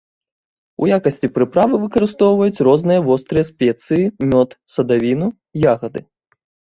У якасці прыправы выкарыстоўваюць розныя вострыя спецыі, мёд, садавіну, ягады.